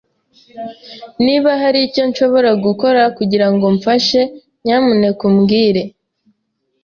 Niba hari icyo nshobora gukora kugirango mfashe, nyamuneka umbwire.